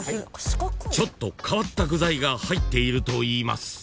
［ちょっと変わった具材が入っているといいます］